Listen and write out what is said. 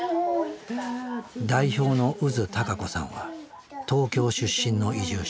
代表の宇津孝子さんは東京出身の移住者。